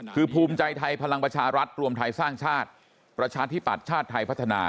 คือภูมิใจไทยพลังประชารัฐรวมไทยสร้างชาติประชาธิปัตย์ชาติไทยพัฒนา